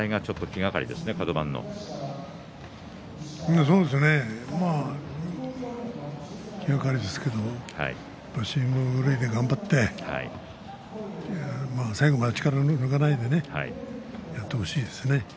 気がかりですけど死に物狂いで頑張って最後まで力を抜かないでやってほしいですね。